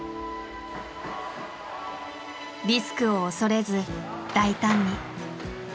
リスクを恐れず大胆に。